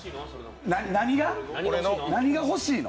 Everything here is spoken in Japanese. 何がほしいの？